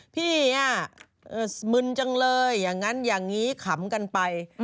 พี่มึนจังเลยอย่างนั้นอย่างนี้ขำกันไป